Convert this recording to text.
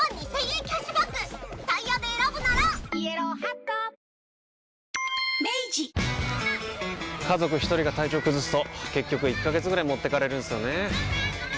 ニトリ家族一人が体調崩すと結局１ヶ月ぐらい持ってかれるんすよねー。